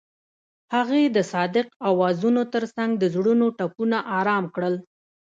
هغې د صادق اوازونو ترڅنګ د زړونو ټپونه آرام کړل.